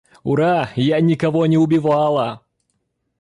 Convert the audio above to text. Ура, я никого не убивала!